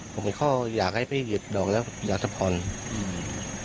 ผมก็อยากให้พี่หยิบดอกแล้วอยากจะผ่อนอืม